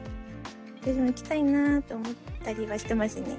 私も行きたいなと思ったりはしてますね。